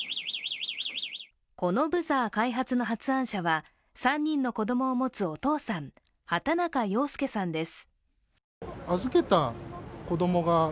このブザー開発の発案者は３人の子供を持つお父さん、畑中洋亮さんです。